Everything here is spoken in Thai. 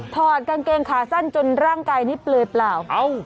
ถอดกางเกงขาสั้นจนร่างกายนี้เปลือยเปล่า